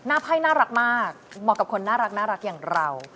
ไพ่น่ารักมากเหมาะกับคนน่ารักอย่างเรา